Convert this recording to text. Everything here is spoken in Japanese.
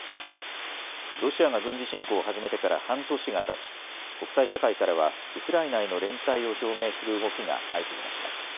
ロシアが軍事侵攻を始めてから半年がたち国際社会からはウクライナへの連帯を表明する動きが相次ぎました。